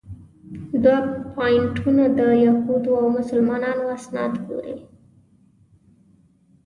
دا پواینټونه د یهودو او مسلمانانو اسناد ګوري.